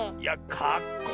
かっこいい！